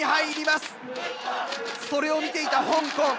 それを見ていた香港。